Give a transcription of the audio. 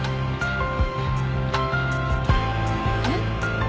えっ？